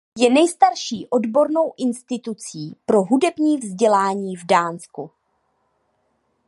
Je nejstarší odbornou institucí pro hudební vzdělání v Dánsku.